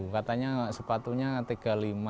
katanya sepatunya tiga puluh lima